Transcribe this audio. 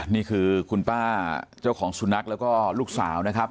นี่คือคุณป้าเจ้าของสุนัขแล้วก็ลูกสาวนะครับ